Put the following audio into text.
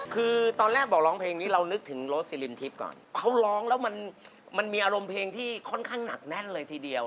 คือตอนแรกบอกร้องเพลงนี้เรานึกถึงโรสซิลินทิพย์ก่อนเขาร้องแล้วมันมันมีอารมณ์เพลงที่ค่อนข้างหนักแน่นเลยทีเดียว